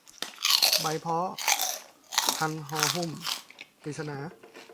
ใบพ้อพันห่อหุ้ม กฤษณา